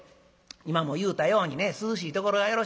今も言うたようにね涼しいところがよろしいねん。